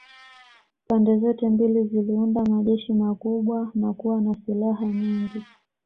Pande zote mbili ziliunda majeshi makubwa na kuwa na silaha nyingi